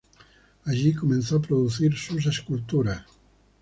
Allí comenzó a producir sus esculturas.